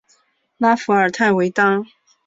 拉弗尔泰维当。